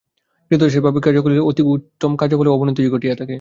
ক্রীতদাসের ভাবে কার্য করিলে অতি উচ্চতম কার্যেরও ফলে অবনতিই ঘটিয়া থাকে।